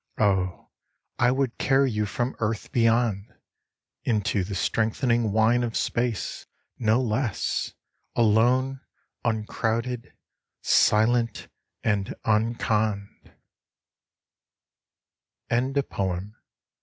Oh, I would carry you from earth beyond, Into the strengthening wine of space, no less, Alone, uncrowded, silent, and unconned.